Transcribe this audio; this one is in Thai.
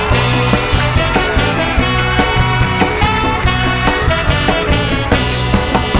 ยังเพราะความสำคัญ